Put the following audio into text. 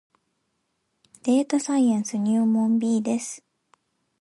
データサイエンス入門 B です